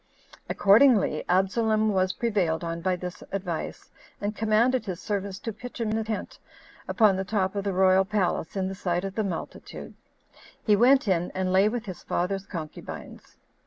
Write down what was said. Accordingly, Absalom was prevailed on by this advice, and commanded his servants to pitch him a tent upon the top of the royal palace, in the sight of the multitude; and he went in and lay with his father's concubines.